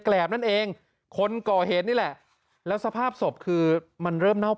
แหลบนั่นเองคนก่อเหตุนี่แหละแล้วสภาพศพคือมันเริ่มเน่า